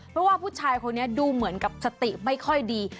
เพราะว่าผู้ชายคนนี้ดูเหมือนกับสติไม่ค่อยดี